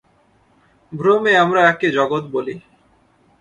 ভ্রমে আমরা একে জগৎ বলি।